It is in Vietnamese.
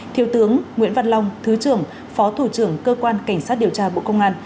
thiếu tướng nguyễn văn long thứ trưởng phó thủ trưởng cơ quan cảnh sát điều tra bộ công an